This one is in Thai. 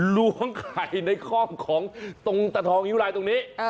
ล้วงไข่ในคอกของตรงตะทองนิ้วลายตรงนี้